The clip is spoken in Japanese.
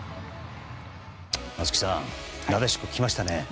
松木さんなでしこ来ましたね。